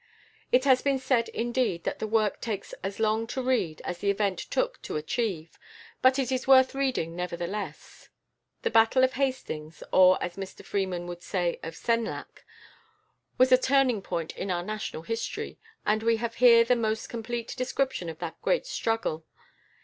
It has been said, indeed, that the work takes as long to read as the event took to achieve, but it is worth reading nevertheless. The battle of Hastings, or, as Mr Freeman would say, of Senlac, was a turning point in our national history, and we have here the most complete description of that great struggle.